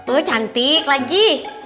oh cantik lagi